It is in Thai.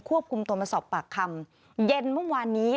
ควบคุมตัวมาสอบปากคำเย็นเมื่อวานนี้